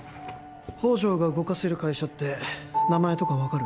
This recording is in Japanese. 宝条が動かせる会社って名前とか分かる？